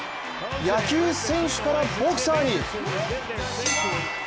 野球選手からボクサーに。